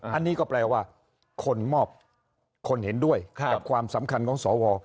อันนี้ก็แปลว่าคนมอบคนเห็นด้วยกับความสำคัญของสว